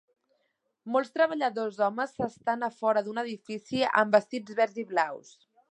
Molts treballadors homes s'estan a fora un edifici amb vestits verds i blaus.